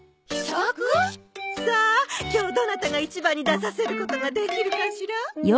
さあ今日どなたが一番に出させることができるかしら？